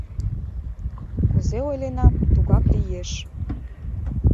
Кузе ойленам, тугак лиеш.